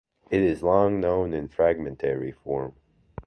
It is long known in fragmentary form.